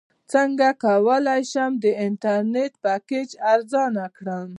څنګه کولی شم د انټرنیټ پیکج ارزانه کړم